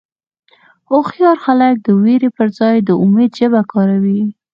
هوښیار خلک د وېرې پر ځای د امید ژبه کاروي.